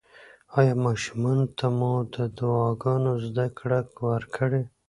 ایا ماشومانو ته مو د دعاګانو زده کړه ورکړې؟